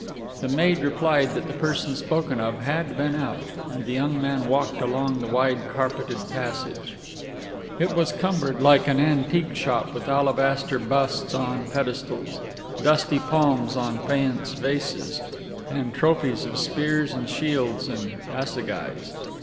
The maid replied that the person spoken of had been out; and the young man walked along the wide carpeted passage. It was cumbered like an antique shop with alabaster busts on pedestals, dusty palms in faience vases, and trophies of spears and shields and assegais.